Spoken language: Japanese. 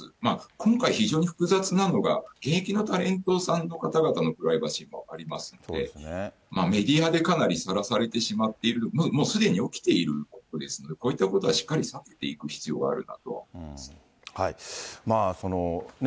今回非常に複雑なのが、現役のタレントさんの方々のプライバシーもありますので、メディアでかなりさらされてしまっている、もうすでに起きていることですので、こういったことはしっかりさせていく必要があるかなと思いますね。